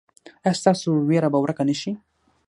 ایا ستاسو ویره به ورکه نه شي؟